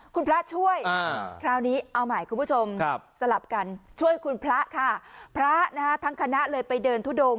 คุณพระช่วยคราวนี้เอาใหม่คุณผู้ชมสลับกันช่วยคุณพระค่ะพระนะคะทั้งคณะเลยไปเดินทุดง